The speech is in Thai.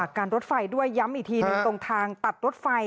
หากการรถไฟด้วยย้ำอีกทีดูตรงทางตัดรถไฟ